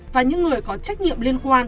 và những người có trách nhiệm liên quan